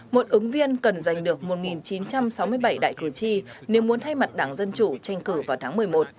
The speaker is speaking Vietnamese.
một ứng viên cần giành được một chín trăm sáu mươi bảy đại cử tri nếu muốn thay mặt đảng dân chủ tranh cử vào tháng một mươi một